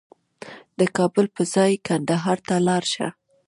د کابل په ځای کندهار ته لاړ شه